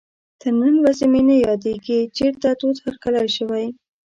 تر نن ورځې مې نه یادېږي چېرته تود هرکلی شوی.